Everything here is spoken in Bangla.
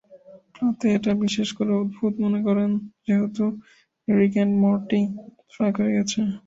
প্লাঁতে এটা বিশেষ করে অদ্ভুত মনে করেন যেহেতু "রিক অ্যান্ড মর্টি" "ফাক" হয়ে গেছে।